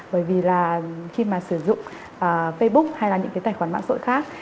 bởi vì là khi mà sử dụng facebook hay là những cái tài khoản mạng xã hội khác